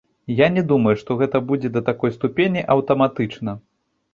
Я не думаю, што гэта будзе да такой ступені аўтаматычна.